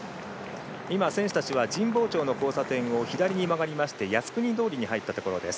選手たちは神保町の交差点を左に曲がりまして靖国通りに入ったところです。